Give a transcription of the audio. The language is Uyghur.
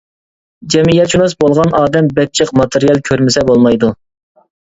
جەمئىيەتشۇناس بولغان ئادەم بەك جىق ماتېرىيال كۆرمىسە بولمايدۇ.